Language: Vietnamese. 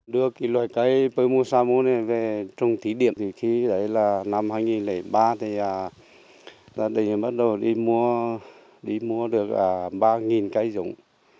đưa cái loài cây pơ mưu sa mưu này về trung thí điệp thì khi đấy là năm hai nghìn ba thì gia đình bắt đầu đi mua được ba cây dũng